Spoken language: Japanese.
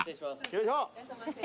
よいしょ！